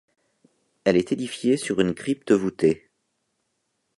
Elle est édifiée sur une crypte voûtée.